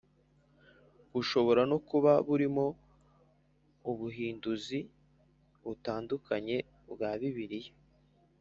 Bushobora no kuba burimo ubuhinduzi butandukanye bwa Bibiliya